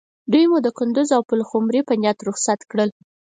دوی مو د کندوز او پلخمري په نیت رخصت کړل.